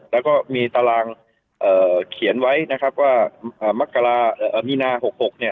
แล้วก็มีตารางเอ่อเขียนไว้นะครับว่าอะมักกะลาเอ่ออ่านี่นาหกหกเนี่ย